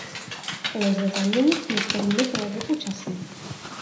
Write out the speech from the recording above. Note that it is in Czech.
Lze zaměnit s některými projevy počasí.